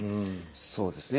そうですね。